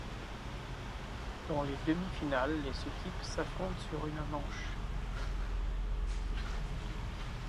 Dans les demi-finales, les équipes s'affrontent sur une manche.